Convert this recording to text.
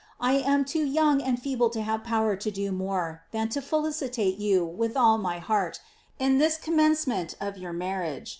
I am too young and feeble to have power to do more than to felicitate you with all my heart in this commencement of your marriage.